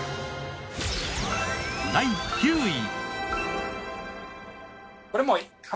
第９位。